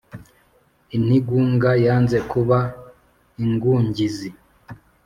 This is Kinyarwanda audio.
intigunga yanze kuba ingungizi